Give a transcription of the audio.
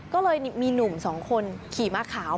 ก็เลยมีหนุ่มสองคนขี่ม้าขาว